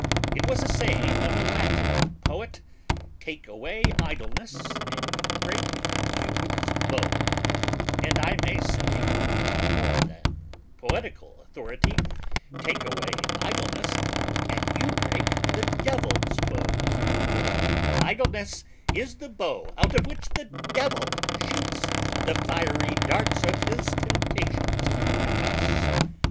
It was a saying of a Latine Poet, Take away Idleness, and you break Cupids Bow: And I may say, with more then Poetical Authority, Take away Idleness, and you break the Devils Bow; for Idleness is the Bow out of which the Devil shoots the fiery Darts of his Temptations at us.